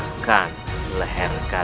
sekarang berdagang petas